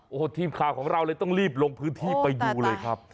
โอ้โหทีมข่าวของเราเลยต้องรีบลงพื้นที่ไปดูเลยครับ